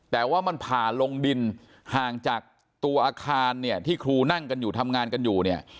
แต่ว่ามันผ่าลงดินห่างจากตัวอาคารเนี่ยที่ครูนั่งกันอยู่ทำงานกันอยู่เนี่ย